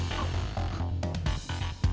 tidak pak reger